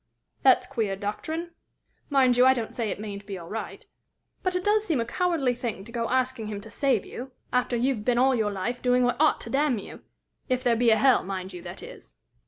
"That's queer doctrine! Mind you, I don't say it mayn't be all right. But it does seem a cowardly thing to go asking him to save you, after you've been all your life doing what ought to damn you if there be a hell, mind you, that is."